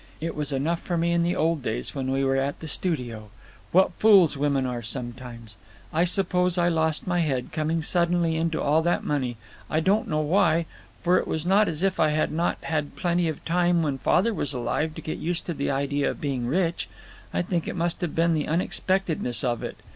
"It was enough for me in the old days when we were at the studio. What fools women are sometimes! I suppose I lost my head, coming suddenly into all that money—I don't know why; for it was not as if I had not had plenty of time, when father was alive, to get used to the idea of being rich. I think it must have been the unexpectedness of it.